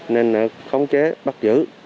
nên khống chế bắt giữ